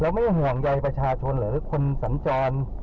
ไม่ห่วงใยประชาชนหรือคนสัญจร